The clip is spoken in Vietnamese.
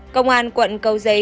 công an quận cầu giấy